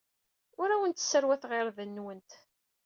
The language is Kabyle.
Ur awent-sserwateɣ irden-nwent.